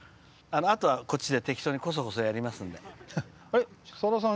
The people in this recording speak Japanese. あとはこっちで適当に、こそこそやりますので。